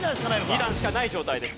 ２段しかない状態です。